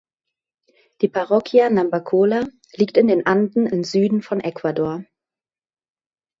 Die Parroquia Nambacola liegt in den Anden im Süden von Ecuador.